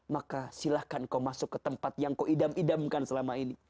maka silahkan kau masuk ke tempat yang kau idam idamkan selama ini